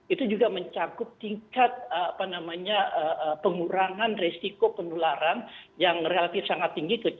itu juga mencakup tingkat pengurangan resiko penularan yang relatif sangat tinggi